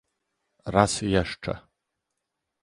Raz jeszcze